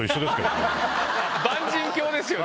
万人橋ですよね。